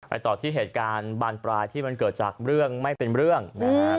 ต่อที่เหตุการณ์บานปลายที่มันเกิดจากเรื่องไม่เป็นเรื่องนะครับ